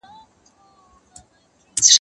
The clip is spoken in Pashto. هغه ځوی چي پلار ئې خاص استعداد محسوسوي.